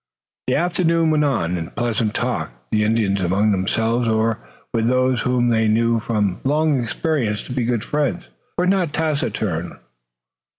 The afternoon went on in pleasant talk. The Indians, among themselves or with those whom they knew from long experience to be good friends, were not taciturn.